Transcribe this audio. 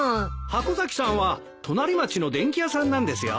箱崎さんは隣町の電気屋さんなんですよ。